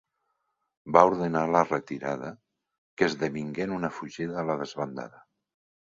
Va ordenar la retirada, que esdevingué en una fugida a la desbandada.